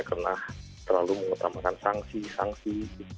karena terlalu mengutamakan sanksi sanksi